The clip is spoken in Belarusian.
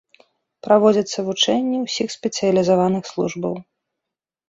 Праводзяцца вучэнні ўсіх спецыялізаваных службаў.